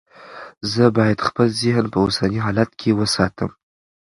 زه باید خپل ذهن په اوسني حالت کې وساتم.